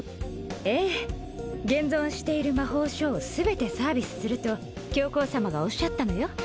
ええ現存している魔法書を全てサービスすると教皇様がおっしゃったのよ